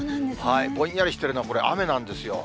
ぼんやりしてるのはこれ、雨なんですよ。